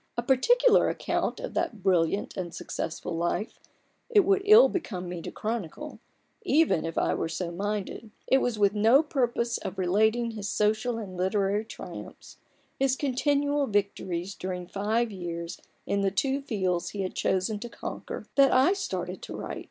A particular account of that brilliant and successful life it would ill become me to chronicle, even if I were so minded : it was with no purpose of relating his social and literary triumphs, his continual victories during five years in the two fields he had chosen to conquer, that I started to write.